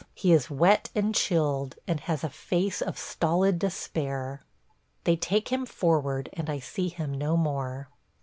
He is wet and chilled, and has a face of stolid despair. They take him forward, and I see him no more.